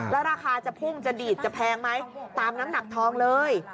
แล้วราคาจะพุ่งจะดีดจะแพงไหมตามน้ำหนักทองเลย